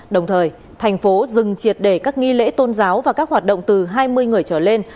đồng thời thành phố dừng triệt để các nghi lễ tôn giáo và các hoạt động từ hai mươi người trở lên